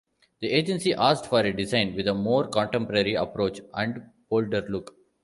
The agency asked for a design with a more "contemporary approach" and "bolder look".